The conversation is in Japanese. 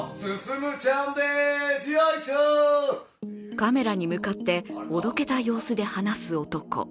カメラに向かって、おどけた様子で話す男。